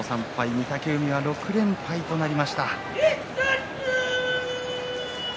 御嶽海、６連敗となりました。